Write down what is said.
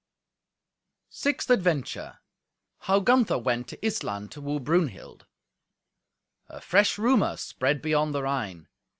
Sixth Adventure How Gunther Went to Issland to Woo Brunhild A fresh rumour spread beyond the Rhine.